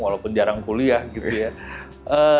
walaupun jarang kuliah gitu ya